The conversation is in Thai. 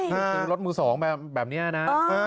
ถึงรถมือสองแบบนี้นะ